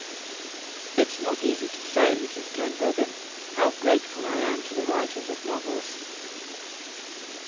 "It's not easy to say, Mrs. Tenbruggen, how grateful I am to the writers of novels."